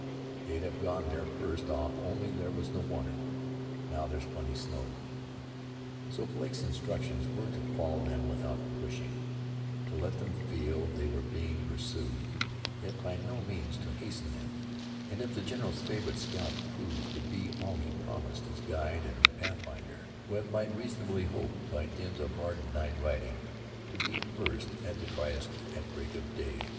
They'd have gone there first off only there was no water. Now there's plenty snow." So Blake's instructions were to follow them without pushing, to let them feel they were being pursued, yet by no means to hasten them, and, if the general's favorite scout proved to be all he promised as guide and pathfinder, Webb might reasonably hope by dint of hard night riding, to be first at the tryst at break of day.